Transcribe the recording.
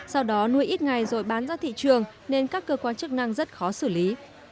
sau đó nuôi ít ngày rồi bán ra thị trường nên các cơ quan chức năng rất khó xử lý